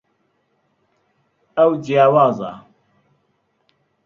ئەو جیاوازە.